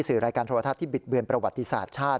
สื่อรายการโทรศัพท์ที่บิดเวียนประวัติศาสตร์ชาติ